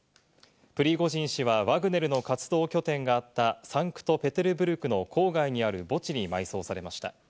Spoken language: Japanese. プリゴジン氏はワグネルの活動拠点があったサンクトペテルブルクの郊外にある墓地に埋葬されました。